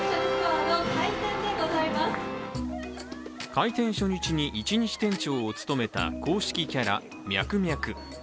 開店初日に一日店長を務めた公式キャラ・ミャクミャク。